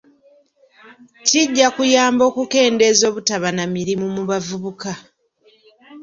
Kijja kuyamba okukendeeza obutaba na mirimu mu bavubuka .